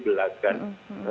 itu kan berarti sudah tujuh belas